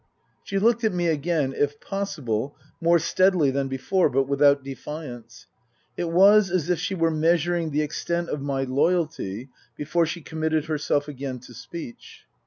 She looked at me again, if possible, more steadily than before, but without defiance. It was as if she were measuring the extent of my loyalty before she committed herself again to speech.